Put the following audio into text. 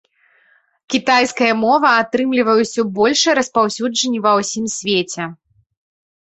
Кітайская мова атрымлівае ўсё большае распаўсюджанне ва ўсім свеце.